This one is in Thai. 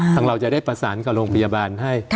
เราจะได้ประสานกับโรงพยาบาลให้